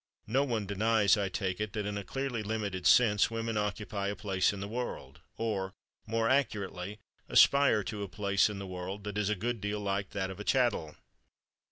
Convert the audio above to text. No one denies, I take it, that in a clearly limited sense, women occupy a place in the world—or, more accurately, aspire to a place in the world—that is a good deal like that of a chattel.